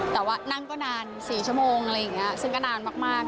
แต่ว่านั่งก็นาน๔ชั่วโมงอะไรอย่างนี้ซึ่งก็นานมาก